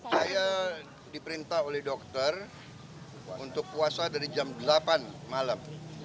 saya diperintah oleh dokter untuk puasa dari jam delapan malam